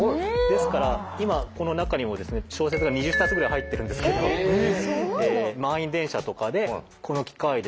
ですから今この中にもですね小説が２０冊ぐらい入ってるんですけど満員電車とかでこの機械でですね